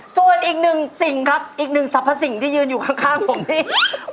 ส่วนอีกหนึ่งสิ่งครับอีกหนึ่งสรรพสิ่งที่ยืนอยู่ข้างผมนี่